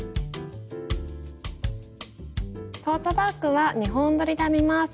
トートバッグは２本どりで編みます。